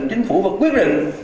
chính phủ vẫn quyết định